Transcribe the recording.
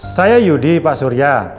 saya yudi pak surya